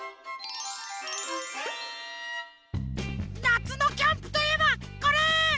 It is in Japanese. なつのキャンプといえばこれ！